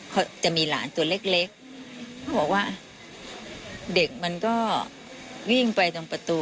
เขาจะมีหลานตัวเล็กเล็กเขาบอกว่าเด็กมันก็วิ่งไปตรงประตู